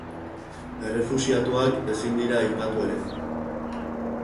Errefuxiatuak ezin dira aipatu ere.